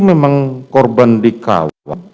memang korban dikawal